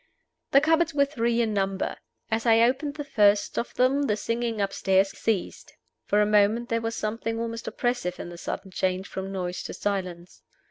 The cupboards were three in number. As I opened the first of them the singing upstairs ceased. For a moment there was something almost oppressive in the sudden change from noise to silence.